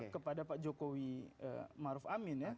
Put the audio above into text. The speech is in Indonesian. kepada pak jokowi maruf amin ya